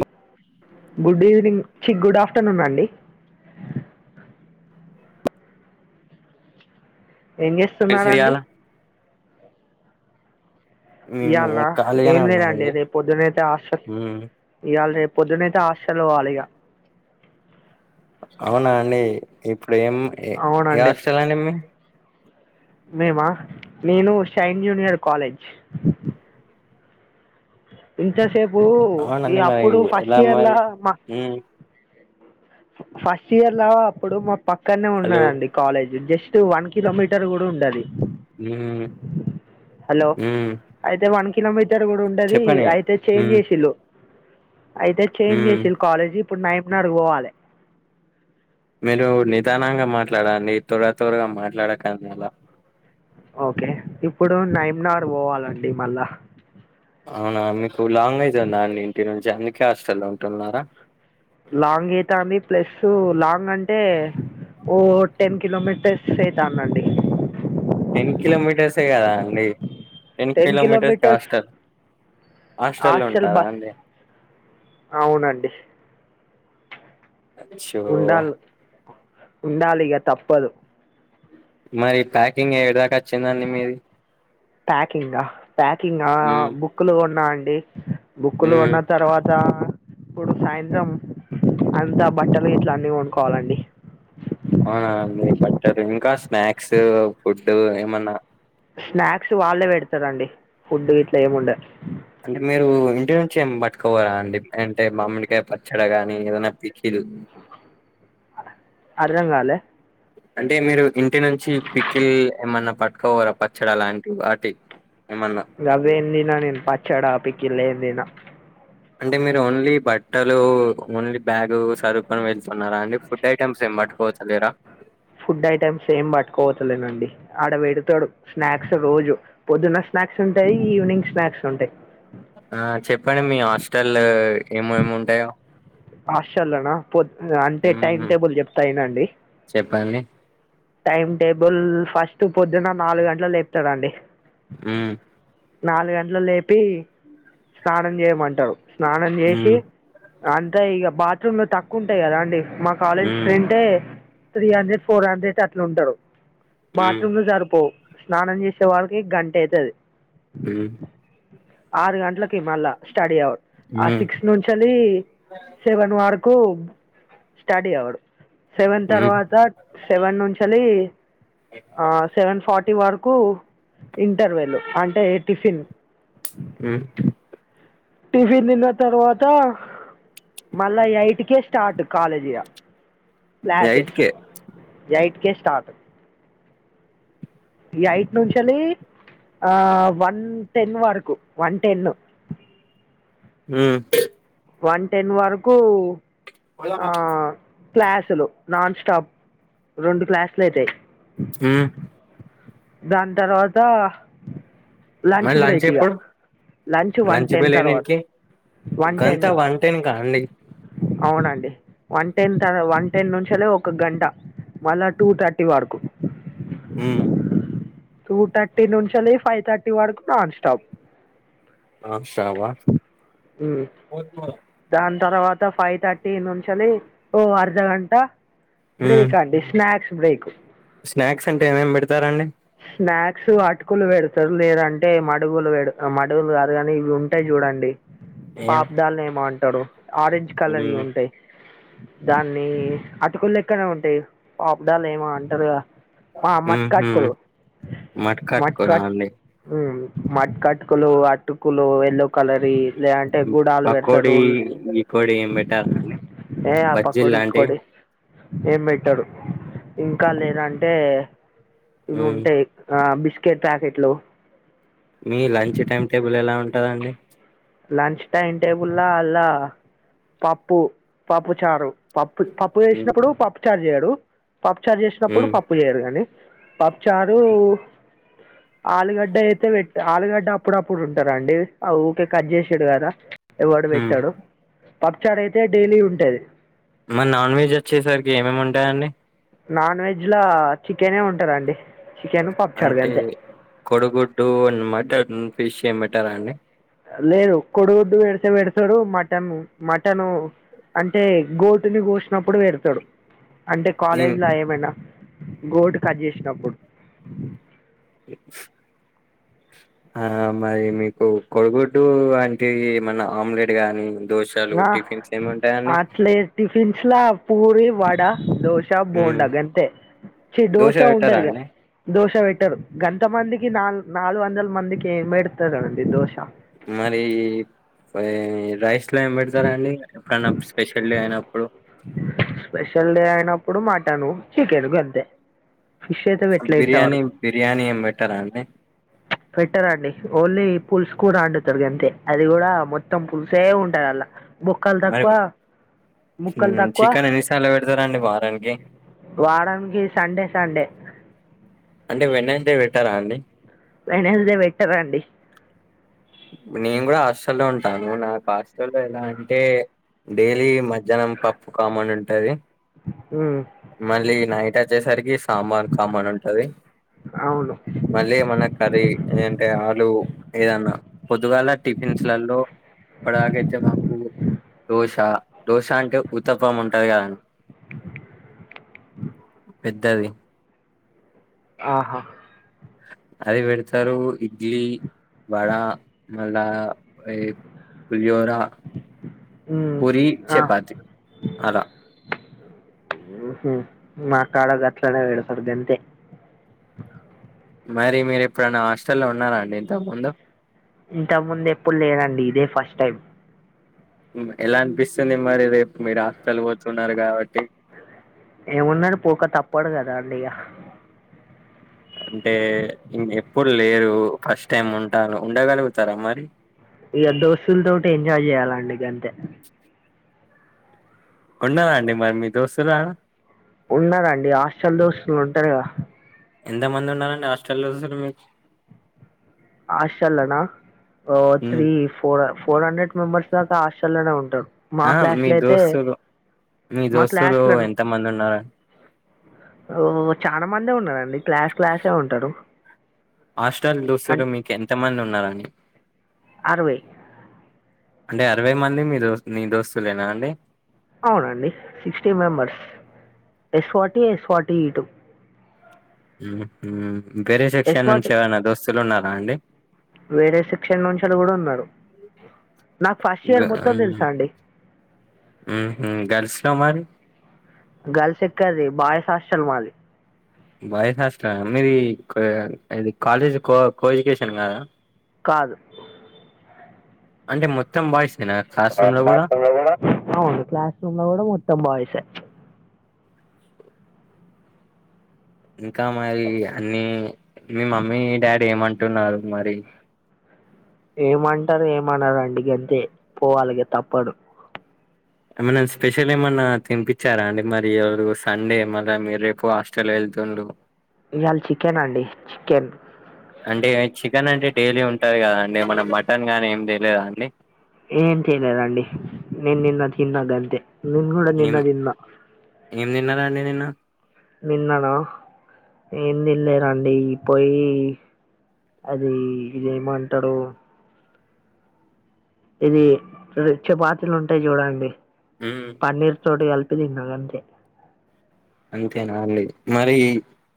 అ good evening చి good afternoon అండి [inaudible] ఏం చేస్తున్నారండి చేయాలా మేము ఇయాళ ఖాళీగానే ఏం లేదండీ ఉన్నామండి రేపు పొద్దునైతే ఆస్ మ్మ్ ఇవాళ రేపు పొద్దునైతే హాస్టల్ కి పోవాలిక అవునా అండీ ఇప్పుడు ఏం ఎ ఏ అవునండి హాస్టల్ అండి మి మేమా నేను షైన్ జూనియర్ కాలేజ్. ఇంతసేపూ ఈ అవునండి మరి అప్పుడు ఫస్ట్ ఎలా ఇయర్లా మరి మా మ్మ్ ఫస్ట్ ఇయర్ లో అప్పుడు మా పక్కనే హలో ఉన్నదండి college just two one kilometre గూడ ఉండది. హ్ము హలో హ్మూ అయితే వన్ కిలోమీటర్ గూడ ఉంటదీ అయితే చేంజ్ మ్మ్ చేశిళ్ళు. అయితే చేంజ్ మ్మ్ చేశిళ్ళు కాలేజ్ ఇప్పుడు నయూబ్ నగర్ పోవాలే. మీరు నిదానంగా మాట్లాడండి. త్వర త్వరగా మాట్లాడకండి అలా ఓకే ఇప్పుడూ నైయమ్ నగర్ పోవాలండి మళ్ళా. అవునా మీకు లాంగ్ అయితుందా అండి ఇంటి నుంచి అందుకే హాస్టల్లో ఉంటున్నారా. లాంగ్ ఐతాంది ప్లస్సూ లాంగ్ అంటే ఓ టెన్ కిలోమీటర్స్ ఐతాందండి. టెన్ కిలోమీటర్సే కదా అండి. Ten kilometres to hostel hostel లో ఉంటారా అండి. అవునండి అశ్శో ఓ ఉండాలిగా తప్పదు. మరి ప్యాకింగ్ ఏడిదాకా అచ్చిందండి మీది. ప్యాకింగ్ గా ప్యాకింగ్ ఆ మ్మ్ బుక్కులు కొన్నా అండి. బుక్కులు హ్మ్ కొన్నా తర్వాతా ఆ ఇప్పుడు సాయంత్రం అంతా బట్టలు గిట్ల అన్నీ కొనుక్కోవాలండి. టది ఇంకా స్నాక్సూ ఫుడ్డూ ఏమన్నా స్నాక్సు వాళ్ళే పెడతరండి ఫుడ్డూ గిట్ల ఏముండద్. అంటే మీరూ ఇంటి నుంచి ఏం పట్టుకపోరా అండి అంటే మామిడికాయ పచ్చడా గానీ ఏదన్నా పికిల్. [inaudible] అర్థం కాలే అంటే మీరు ఇంటి నుంచి పిక్కిల్ల్ ఏమన్నా పట్టుకపోరా పచ్చడా అలాంటివి వాటి. ఏమన్నా గవ్వేం తినా నేను పచ్చడా పికిల్ ఏం తినా. అంటే మీరు ఓన్లీ బట్టలూ ఓన్లీ బ్యాగు సర్దుకొని వెళ్తున్నారా అండి. ఫుడ్ ఐటమ్స్ ఏం పట్టుకోవచ్చలేరా ఫుడ్ ఐటెమ్స్ ఏం పట్టుకపోతలేనండి. ఆడ పెడతడు స్నాక్స్ రోజు పొద్దున స్నాక్స్ ఉంటయీ ఈవినింగ్ స్నాక్స్ ఉంటయ్. ఆ చెప్పండి మీ హాస్టల్ల ఏమేమి ఉంటయో. హాస్టల్ల నా పొద్ అంటే టైమ్ హ్మ్ టేబుల్ చెప్తా ఇనండి. చెప్పండి టైమ్ టేబుల్ల్ ఫస్టు పొద్దున్నా నాలుగ్ గంట్లక్ లేపుతడండి. హ్మ్ నాలుగు గంట్లక్ లేపీ స్నానం జేయమంటరు స్నానం జేశీ హ్మ్ అంతే ఇగ బాత్రూమ్ లు తక్కువుంటాయి గదా అండి మా కాలేజ్ హ్మ్ స్ట్రెన్తే త్రీ హండ్రెడ్ ఫోర్ హండ్రెడ్ అట్లుంటరు హ్మ్ బాత్రూమ్లు సరిపోవు. స్నానం చేశే వరకీ గంట అయితది. హ్మ్ ఆరు గంట్లకి మళ్ళా స్టడీ అవర్ ఆ హ్మ్ సిక్స్ నుంచెళ్ళీ సెవెన్ వరక్ కూ స్టడీ అవర్ సెవెన్ హ్మ్ తర్వాతా సెవెన్ నుంచెలీ ఆ సెవెన్ ఫార్ట్ టీ వరకూ ఇంటర్వెల్లు అంటే టిఫిన్. ఉమ్ టిఫిన్ తిన్న తర్వాత మళ్ళా ఎయిట్కే స్టార్ట్ కాలేజీగా ఎయిట్ట్కే ఎయిట్ కే స్టార్ట్ ఏయిట్ నుంచలి ఆ వన్ టెన్ వరకు వన్ టెన్ ఉమ్ వన్ టెన్ వరకు పోదమా క్లాసులు నాన్ స్టాప్ రెండు క్లాసులు అయితాయి ఉమ్ దాని తర్వాత లంచ్ మరి బ్రేక్ ఇక ఎప్పుడు లంచ్ వన్ టెన్ బెల్ తర్వాత ఎన్నింటికి వన్ టెన్ గంతా వన్ టెన్ కా అండి అవునండి వన్ టెన్ తర్ వన్ టెన్ నుంచలే ఒక గంట మళ్ళ టూ థర్టీ వరకు ఉమ్ టూ థర్టీ నుంచలే ఫైవ్ థర్టీ వరకు నాన్ స్టాప్ ఆషాబ దాని తర్వాత ఫైవ్ థర్టీ నుంచేలి ఓ అర్ధగంట ఉమ్ బ్రేక్ అండి స్నాక్స్ బ్రేక్ స్నాక్స్ అంటే ఏమేమి పెడతారండి స్నాక్స్ అటుకులు వెడతారు లేదంటే మడుగులు వేడు మడుగులు కాదు గానీ ఇవి ఉంటాయి చూడండి ఏం పాప్దాని ఏమో అంటారు ఆరెంజ్ కలర్ లో ఉమ్ ఉంటాయి దాన్ని అటుకుళ్ లెక్కనే ఉంటాయి పాప్ధాన్ ఏమో అంటారు కదా ఆ మత్ కట్కోలు మాట్కాట్కోలా అండి మట్ కటుకులు అటుకులు ఎల్లో కలర్ ఇ లేదంటే కూడాళ్ పెడతారు పకోడి గికోడి ఏం పెట్టారండి ఏ బజ్జీలు లాంటివి పకోడికోడి ఏం పెట్టడు ఇంకా లేదంటే ఇవి ఉమ్ ఉంటాయి ఆ బిస్కెట్ ప్యాకెట్లు మీ లంచ్ టైమ్ టేబుల్ ఎలా ఉంటదండి లంచ్ టైమ్ టేబుల్లా అలా పప్పు పప్పు చారు పప్పు పప్పు ఉమ్ చేసినప్పుడు పప్పు చార్జ్ చేయరూ పప్పు చార్జ్ చేసినప్పుడు ఉమ్ పప్పు చేయరు గాని పప్పు చారు ఆలుగడ్డ అయితే వెట్ ఆలుగడ్డ అప్పుడప్పుడు ఉంటారండి ఆ ఊకె కట్ చేసుడు కదా ఎవడు ఉమ్ పెట్టడు పప్పు చార్ అయితే డైలీ ఉంటది మరి నాన్ వెజ్ వచ్చేసరికి ఏమేమి ఉంటాయాండి నాన్ వెజ్ ల చికెనే ఉంటదండి అంటే కొడుగుడ్డు మటన్ ఫిష్ ఏం పెట్టరా అండి లేదు కొడుగుడ్డు పెడితేే పెడతారూ మటన్ మటన్ అంటే గోటుని కోసినప్పుడు పెడతారు అంటే ఇం కాలేజ్లో ఏమయినా గోటును కట్ చేసినప్పుడు [inaudible] ఆడా మరి మీకు కోడుగుడ్డూ అంటే ఏమన్నా ఆమ్లెట్ గానీ దోశలు ఆ టిఫిన్స్ ఏముంటయని అట్లే దోశా బోండా గంతే చి దోశ పెట్టారా ఉండదిగా అండి దోశ వెట్ టరు గంత మందికి నాలు నాలుగు వందల మందికి ఏం బెడతారు అండి దోష మరీ ఈ రైస్ లో ఏం బెడతారండి అన్నం స్పెషల్ డే అయినప్పుడు స్పెషల్ డే అయినప్పుడు మాటను చికెన్ గంతె బిర్యానీ బిర్యానీ ఏం బెట్టరా అండి పెట్టరండి ఓన్లీ పుల్స్ కూరా అండుతరు గంతే అది గూడా మొత్తం పులుసే ఉంటది అల్ల బొక్కల్ మరి తకువా ముక్కల్ హ్మ్. తకువ చికెన్ ఎన్నిసార్లు పెడతారండి వారానికి వారానికి సండే సండే అంటే వెనస్డే వెట్టరా అండి వెనస్ డే వెట్టరండి నేను గూడా హస్టల్లో ఉంటా నేను నా ఆస్టల్లో ఎలా అంటే డేలీ మధ్యాహ్నం పప్పు కామన్ ఉంటది ఉమ్, మళ్ళీ నైట్ అచ్చేసరికి సాంబార్ కామన్ ఉంటది అవును మళ్ళీ మన కర్రీ ఏంటే ఆలూ ఏదన్న పొద్దుగాల టిఫిన్స్ లల్లో ఇప్పడదాకైతే మాకు దోశ దోశ అంటే ఊతప్పం ఉంటది గదా పెద్దవి ఆహ అది వెడతరూ ఇడ్లీ వడా మళ్ళా ఏ పులిహోరా హ్మ్. పూరి ఆ! చపాతి అలా మా కాడ గట్లనే వేడుతరు గంతే మరి మీరు ఎప్పుడన్న హాస్టల్లో ఉన్నారా అండి ఇంత ముందు ఇంత ముందు ఎప్పుడు లేదండి ఇదే ఫస్ట్ టైం ఎలా అనిపిస్తుంది మరి రేపు మీరు హాస్టల్ వోతున్నారు కాబట్టి ఏమున్నది పోక తప్పడు గదా అండి ఇగ అంటే ఇన్ ఎప్పుడు లేరు ఫస్ట్ టైం ఉంటారు ఉండగలుగుతారా మరి ఇగ దోస్తుల్ తోటి ఎంజాయ్ జెయ్యాలా అండి గంతే ఉన్నారా అండి మరి మీ దోస్తులు ఆడ ఉన్నారండి హాస్టల్ దోస్తులు ఉంటారు గద ఎంత మంది ఉన్నారండి ఆస్టల్ దోస్తులు మీ ఆష్టల్లనా ఓ ఉమ్, three four four hundred members దాకా ఆశ్టల్లనే ఉంటారు మా ఆ మీ క్లాస్‌లో అయితే దోస్తులు మీ మా దోస్తులు క్లాస్‌లో ఎంత మంది ఉన్నారా ఓ చానా మందే ఉన్నారండి క్లాస్ క్లాసే ఉంటడు ఆస్టల్ దూస్సులు మీకు ఎంతమంది ఉన్నారండి అరవై అంటే అరవై మంది మీ దోస్ మీ దోస్తులేనా అండి అవునండి sixty members yes forty yes forty ఇటు ఊహ్ ఊ వేరే సెక్షన్ యశ్వాట్ నుంచి ఏవైనా దోస్తులు ఉన్నారా అండి వేరే సెక్షన్ నుంచెల్లి గూడా ఉన్నరు గ ఊ ఊహు గర్ల్స్ ల మరి గర్ల్స్ ఎక్కడిది బాయ్స్ హాస్టల్ మాది బాయ్స్ హాస్టల్ ఆహ్ మీది ఇది కాలేజ్ కో కో ఎడ్యుకేషన్ కదా కాదు అంటే మొత్తం బాయ్స్ క్లాస్ రూమ్ లో కూడా అవును క్లాస్ రూమ్ లో కూడా మొత్తం బయ్స్ ఎ ఇంకా మరి అన్నీ మీ మమ్మీ డాడీ ఏమంటున్నారు మరి ఏమంటారు ఏం అనరు అండి గంతే పోవాలేగా తప్పదు ఏమన్నా స్పెషల్ ఏమన్నా తినిపించారా అండి మరి ఈరోజు సండే మల్ల మీరు రేపు హాస్టల్ వెళ్ తులు ఈయల చికెన్ అండి చికెన్ అంటే చికెన్ అంటే డైలీ ఉంటంది కదా అండి మన మటన్ గానీ ఏమి తేలేదా అండి ఏం చేయలేదండి నేను నిన్న తిన్న గంతే నేన్ కూడా నిన్న ఏం తిన్న ఏం తిన్నారు అండి నిన్న నిన్నన ఎం తినలేదు అండి ఈ పోయి అదీ ఇదేమంటరు ఇది చపాతీలు ఉంటాయి చూడండి మ్మ్ పన్నీర్ తోటి తిన్న గంతే అంతేనా అండి మరి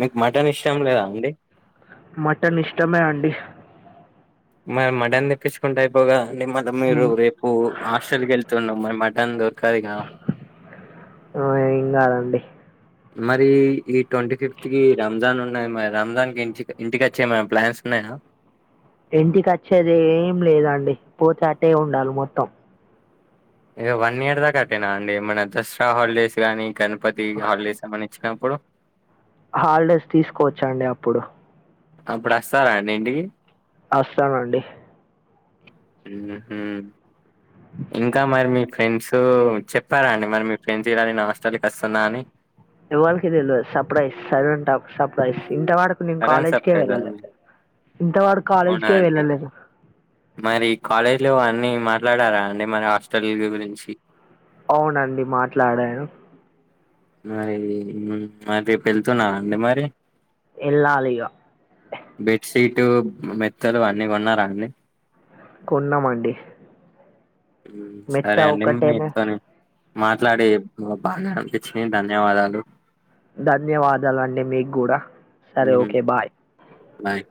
మీక్ మటన్ ఇష్టం లేదా అండి మట్టన్ ఇష్టమే అండి మరి మటన్ తెప్పించుకుంటే అయిపోవు కదండీ మల మీరు రేపు హాస్టల్ కి వెళ్తున్నావు మరి టైమ్ దొరకాలి కదా ఆహ్ ఏం కాదండి మరి ఈ ట్వంటీ ఫిఫ్త్ కి రంజాన్ ఉన్నది మరి రంజాన్ కి ఇంటి ఇంటికి వచ్చే ఏమన్నా ప్లాన్స్ ఉన్నాయా [inaudible] ఇంటికి వచ్చేది ఏం లేదండి పోతే అటే ఉండాలి మొత్తం ఇగ వన్ ఇయర్ దాకా అటేనా అండి ఏమైన దసరా హాలిడేస్ గానీ గణపతి హాలిడేస్ ఏమన్నా ఇచ్చినప్పుడు హాలిడేస్ తీసుకోవచ్చా అండి అప్పుడు అప్పుడు అస్తారా అండి ఇంటికి అస్త అండి ఉహు ఇంకా మరి మీ ఫ్రెండ్స్ చెప్పారా అండి మరి మీ ఫ్రెండ్స్ ఇలా నేనూ హస్టల్కి వస్తున్నా అని ఎవరికి తెల్వద్ సర్ప్రైజ్ సైలెంట్ ఆఫ్ సర్ప్రైజ్ ఇంత వరకు నేను సడన్ కాలేజీకే సర్ప్రైజా అండి వెళ్ళలేదు ఇంక వాడు అవునా కాలేజ్కే అండి వెళ్ళలేదు మరి కాలేజ్ లో అన్నీ మాట్లాడారా అండి మరి హాస్టల్ గురించి అవునండి మాట్లాడారు మరి మరి రేపు వెళ్తున్నారా అండి మరి ఎల్లాలి ఇగ హీట్ మెత్తలు అన్నీ కొన్నారా అండి కొన్నమండి ఉమ్ సరే అండి మీతోని మాట్లాడి బాగా అనిపించినయి ధన్యవాదాలు ధన్యవాదాలు అండి మీకు కూడా సరే ఓకె బాయ్ బై